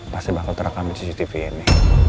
pasti bakal terekam di cctv ini